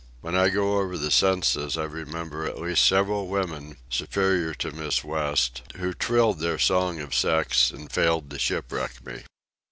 When I go over the census I remember at least several women, superior to Miss West, who trilled their song of sex and failed to shipwreck me.